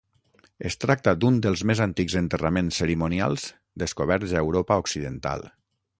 Es tracta d'un dels més antics enterraments cerimonials descoberts a Europa occidental.